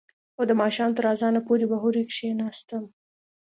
او د ماښام تر اذانه پورې به هورې کښېناستم.